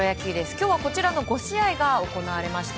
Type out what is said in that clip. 今日はこちらの５試合が行われました。